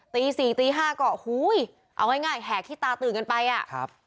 ตี๔ตี๕ก็ฮู้ยเอาง่ายแหกที่ตาตื่นกันไปอ่ะ